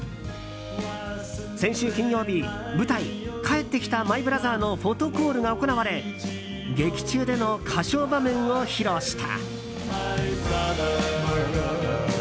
先週金曜日、舞台「帰ってきたマイ・ブラザー」のフォトコールが行われ劇中での歌唱場面を披露した。